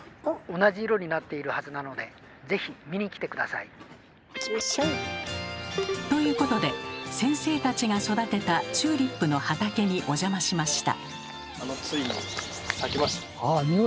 それはそうと行きましょう！ということで先生たちが育てたチューリップの畑にお邪魔しました。